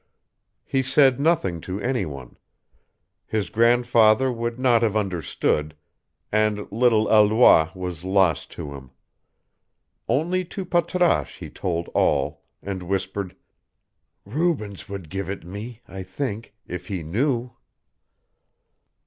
He said nothing to any one: his grandfather would not have understood, and little Alois was lost to him. Only to Patrasche he told all, and whispered, "Rubens would give it me, I think, if he knew."